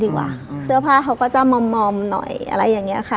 เสื้อผ้าเขาก็จะมอมหน่อยอะไรอย่างเงี้ยค่ะ